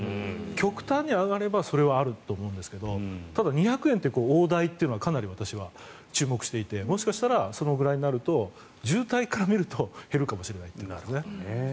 極端に上がればそれはあると思うんですがただ２００円って大台と私は注目していてもしかしたらそのぐらいになると渋滞から見ると減るかもしれないですね。